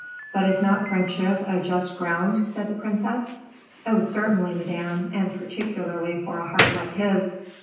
"But is not friendship a just ground?" said the princess. "Oh, certainly, Madame; and particularly for a heart like his."